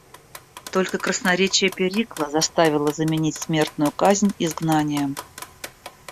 Только красноречие Перикла заставило заменить смертную казнь изгнанием.